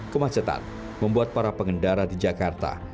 kemacetan membuat para pengendara di jakarta